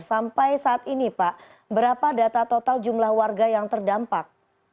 sampai saat ini pak berapa data total jumlah warga yang terdampak